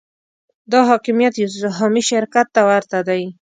دا حاکمیت یو سهامي شرکت ته ورته دی.